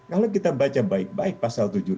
kalau kita baca baik baik pasal tujuh puluh delapan